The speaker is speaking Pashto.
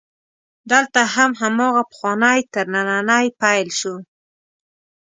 دلته هم هماغه پخوانی ترننی پیل شو.